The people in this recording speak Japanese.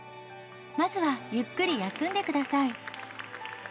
まずはゆっくり休んでください。